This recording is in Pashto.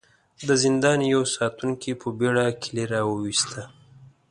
د زندان يوه ساتونکي په بېړه کيلې را وايسته.